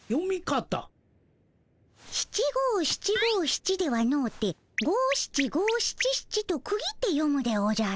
七五七五七ではのうて五七五七七と区切って読むでおじゃる。